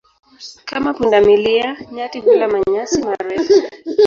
Kama punda milia, nyati hula manyasi marefu.